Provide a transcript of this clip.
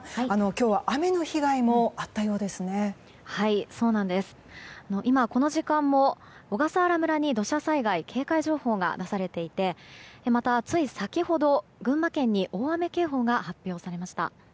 今、この時間も小笠原村に土砂災害警戒情報が出されていてまたつい先ほど群馬県に大雨警報が発表されました。